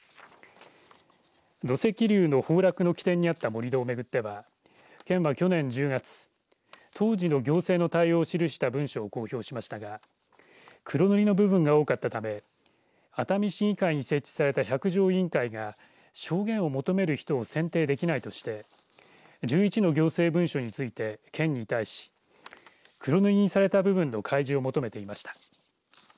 土石流の崩落の起点にあった盛り土をめぐっては県は去年１０月当時の行政の対応を記した文書を公表しましたが黒塗りの部分が多かったため熱海市議会に設置された百条委員会が証言を求める人を選定できないとして１１の行政文書について県に対し、黒塗りにされた部分の開示を求めていました。